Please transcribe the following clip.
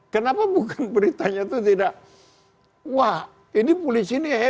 kenapa bukan beritanya itu tidak wah ini polisi ini hebat